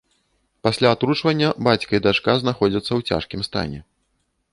Пасля атручвання бацька і дачка знаходзяцца ў цяжкім стане.